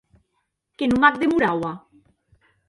Que non m’ac demoraua!